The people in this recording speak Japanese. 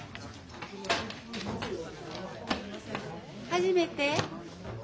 初めて？